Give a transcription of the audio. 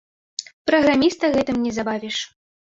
Праграміста гэтым не забавіш.